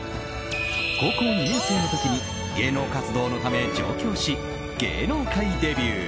高校２年生の時に芸能活動のため上京し芸能界デビュー。